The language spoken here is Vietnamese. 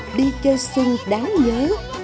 một dịp đi chơi xuân đáng nhớ